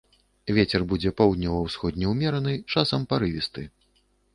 Вецер будзе паўднёва-ўсходні ўмераны, часам парывісты.